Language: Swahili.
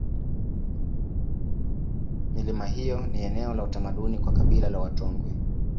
milima hiyo ni eneo la utamaduni kwa kabila la watongwe